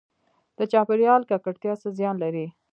د چاپیریال ککړتیا څه زیان لري؟